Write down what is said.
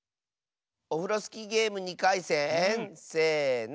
オフロスキーゲーム２かいせんせの。